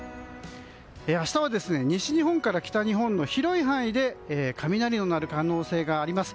明日は西日本から北日本の広い範囲で雷のなる可能性があります。